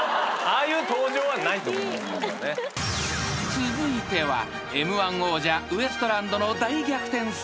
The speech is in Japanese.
［続いてはＭ−１王者ウエストランドの大逆転ストーリー］